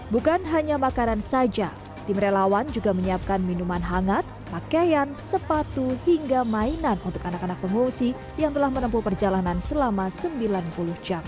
bukan hanya makanan saja tim relawan juga menyiapkan minuman hangat pakaian sepatu hingga mainan untuk anak anak pengungsi yang telah menempuh perjalanan selama sembilan puluh jam